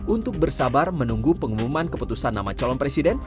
untuk bersabar menunggu pengumuman keputusan nama calon presiden